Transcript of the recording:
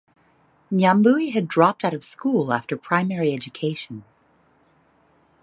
Nyambui had dropped out of school after primary education.